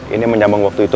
ini menyambung waktu itu